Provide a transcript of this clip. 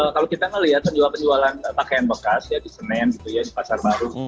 kalau kita melihat penjualan pakaian bekas di senen di pasar baru